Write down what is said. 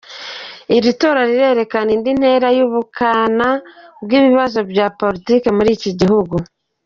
Iri tora rirerekana indi ntera y’ubukana bw’ikibazo cya politike muri iki gihugu.